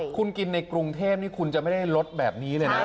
คุณกินในกรุงเทพนี่คุณจะไม่ได้ลดแบบนี้เลยนะ